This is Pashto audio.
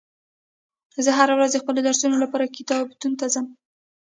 زه هره ورځ د خپلو درسونو لپاره کتابتون ته ځم